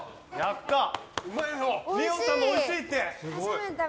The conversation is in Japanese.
二葉さんもおいしいって！